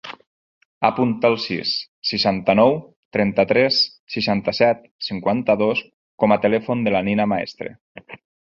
Apunta el sis, seixanta-nou, trenta-tres, seixanta-set, cinquanta-dos com a telèfon de la Nina Maestre.